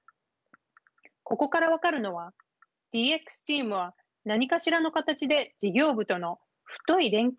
ここから分かるのはＤＸチームは何かしらの形で事業部との太い連携